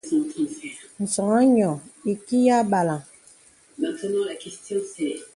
Ǹsɔ̄ŋ à nyɔ̄ɔ̄ ìkì yà bàlə.